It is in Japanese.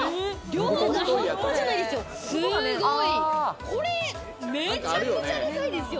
量が半端じゃないですよ。